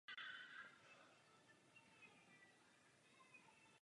V zámecké zahradě dnes můžeme obdivovat pouze kopii alegorie Vzduchu.